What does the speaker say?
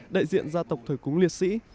đại diện gia tộc thời cúng liệt sĩ